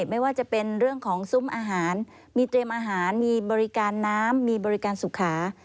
ไม่ว่าจะเป็นเรื่องของซุ้มอาหารมีเตรียมอาหารมีบริการน้ำมีบริการสุขา